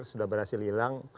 sudah berhasil hilang